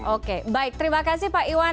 oke baik terima kasih pak iwan